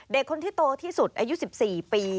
เด็กคนที่โตที่สุดอายุ๑๔ปี